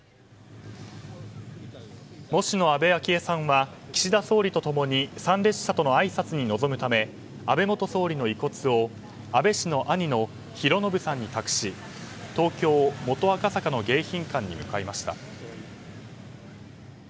喪主の安倍昭恵さんは岸田総理と共に参列者とのあいさつに臨むために安倍元総理の遺骨を安倍氏の兄の寛信さんに託し東京・元赤坂の迎賓館に向かいました。